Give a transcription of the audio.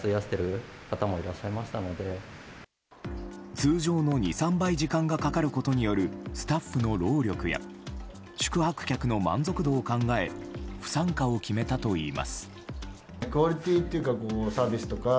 通常の２３倍時間がかかることによるスタッフの労力や宿泊客の満足度を考え不参加を決めたといいます。